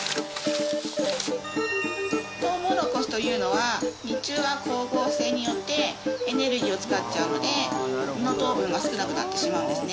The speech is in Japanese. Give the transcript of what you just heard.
トウモロコシというのは日中は光合成によってエネルギーを使っちゃうので実の糖分が少なくなってしまうんですね。